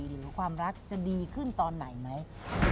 หรือความรักจะดีขึ้นตอนไหนไหม